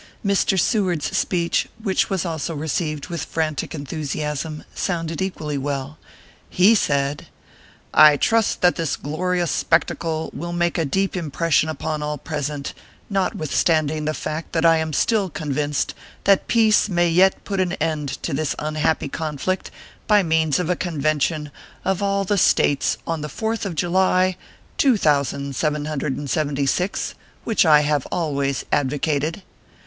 Mr. Reward s speech, which was also received with frantic enthusiasm, sounded equally well. He said :" I trust that this glorious spectacle will make a deep impression upon all present, notwithstanding the fact that I am still convinced that peace may yet put an end to this unhappy conflict by means of a convention of all the States on the Fourth of July, 2776, which I have always advocated.